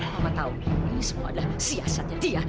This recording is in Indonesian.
mama tahu ini semua adalah siasatnya dia